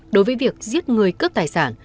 đối với việc giết người cướp tài sản